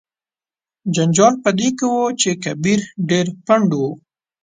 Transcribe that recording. جنجال په دې کې و چې کبیر ډیر پنډ و.